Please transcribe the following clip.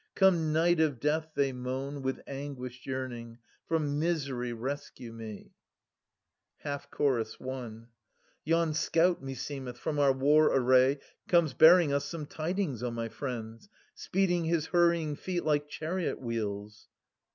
' Come, night of death !' they moan, with anguished yearning, * From misery rescue me I ' Half Chorus i. Yon scout, meseemeth, from our war array Comes bearing us some tidings, O my friends, 370 Speeding his hurrying feet like chariot wheels.